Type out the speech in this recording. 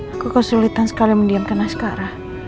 aku kesulitan sekali mendiamkan naskara